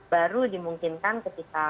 baru dimungkinkan ketika